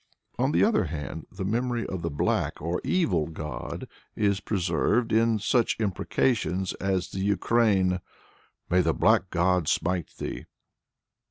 On the other hand the memory of the black or evil god is preserved in such imprecations as the Ukraine "May the black god smite thee!"